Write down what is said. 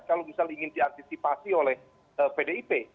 kalau misal ingin diantisipasi oleh pdip